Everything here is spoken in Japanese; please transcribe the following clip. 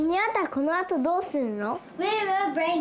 このあとどうするの？